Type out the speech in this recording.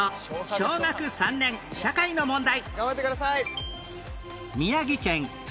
小学３年社会の問題